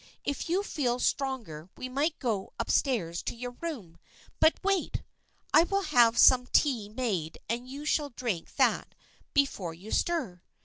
If you feel stronger we might go up stairs to your room. But wait ! I will have some tea made and you shall drink that before you stir."